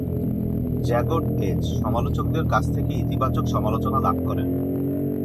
Jagged edge সমালোচকদের কাছ থেকে ইতিবাচক সমালোচনা লাভ করেন।